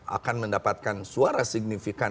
akan mendapatkan suara signifikan